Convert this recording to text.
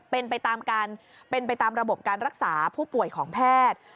เป็นไปตามระบบการรักษาผู้ป่วยของแพทย์